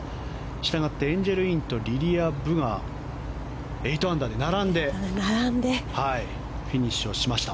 従ってエンジェル・インとリリア・ブが８アンダーで並んでフィニッシュをしました。